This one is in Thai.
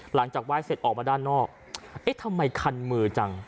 หลังจากไหว้เสร็จออกมาด้านนอกเอ๊ะทำไมคันมือจัง